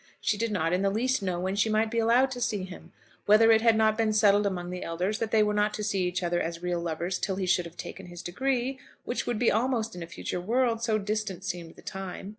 She did not in the least know when she might be allowed to see him, whether it had not been settled among the elders that they were not to see each other as real lovers till he should have taken his degree, which would be almost in a future world, so distant seemed the time.